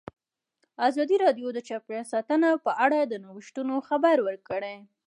ازادي راډیو د چاپیریال ساتنه په اړه د نوښتونو خبر ورکړی.